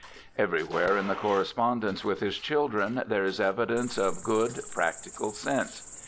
Everywhere in the cor respondence with his children there is evidence of good, practical sense.